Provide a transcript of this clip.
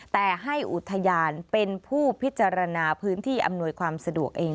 แต่ให้อุทยานเป็นผู้พิจารณาพื้นที่อำนวยความสะดวกเอง